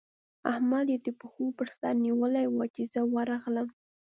احمد يې د پښو پر سره نيولی وو؛ چې زه ورغلم.